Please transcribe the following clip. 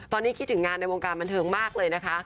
ตอนนี้คิดถึงงานในวงการบันเทิงมากเลยนะคะ